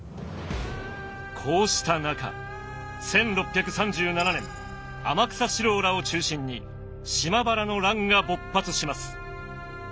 こうした中１６３７年天草四郎らを中心に島原の乱が勃発します。